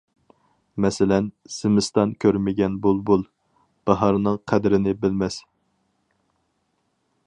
مەسىلەن: زىمىستان كۆرمىگەن بۇلبۇل، باھارنىڭ قەدرىنى بىلمەس.